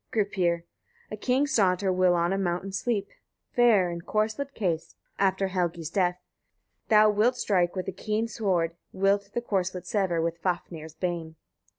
Gripir. 15. A king's daughter will on a mountain sleep, fair, in corslet cased, after Helgi's death. Thou wilt strike with a keen sword, wilt the corslet sever with Fafnir's bane.